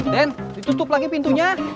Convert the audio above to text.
den ditutup lagi pintunya